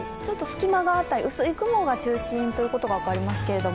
隙間があったり、薄い雲が中心ということが分かりますけど